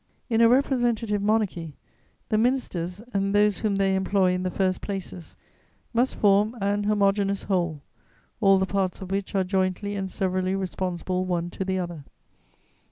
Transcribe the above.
In a representative monarchy, the ministers and those whom they employ in the first places must form an homogeneous whole, all the parts of which are jointly and severally responsible one to the other.